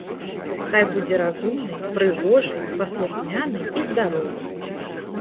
Хай будзе разумнай, прыгожай, паслухмянай і здаровай.